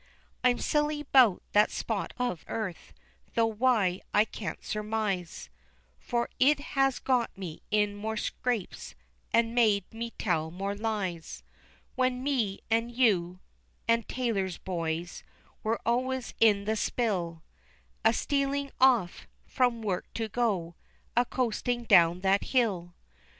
I'm silly 'bout that spot of earth, Though why, I can't surmise, For it has got me in more scrapes And made me tell more lies, When me, an' you, An' Taylor's boys, Were always in the spill, A stealin' off From work to go A coastin' down that hill.